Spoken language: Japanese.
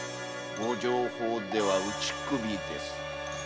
ご定法では「打ち首」です。